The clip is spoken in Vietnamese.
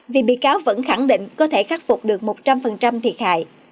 vì bị cáo vẫn khẳng định có thể khắc phục được một trăm linh thiệt hại